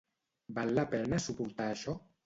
Val la pena suportar això?